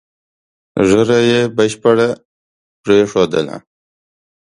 ږیره یې بشپړه پرېښودله.